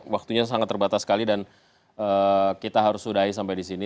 waktunya sangat terbatas sekali dan kita harus sudahi sampai di sini